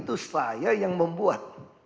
itu saya yang membuat